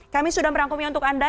kami sudah merangkumnya untuk anda